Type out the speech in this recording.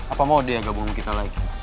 apa mau dia gabungin kita lagi